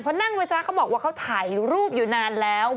เพราะนั่งไว้ซะเขาบอกว่าเขาถ่ายรูปอยู่นานแล้ว